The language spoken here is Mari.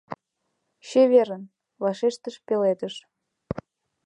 — Чеверын, — вашештыш пеледыш.